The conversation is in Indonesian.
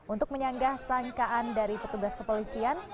untuk menyanggah sangkaan dari petugas kepolisian